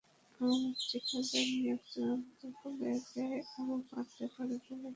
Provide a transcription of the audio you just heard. ঠিকাদার নিয়োগ চূড়ান্ত হলে ব্যয় আরও বাড়তে পারে বলে ডিএমটিসিএল সূত্র জানিয়েছে।